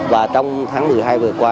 và trong tháng một mươi hai vừa qua